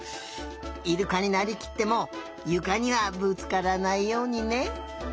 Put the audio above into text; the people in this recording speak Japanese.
イルカになりきってもゆかにはぶつからないようにね。